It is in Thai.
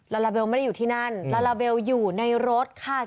ลาลาเบลไม่ได้อยู่ที่นั่นลาลาเบลอยู่ในรถค่ะ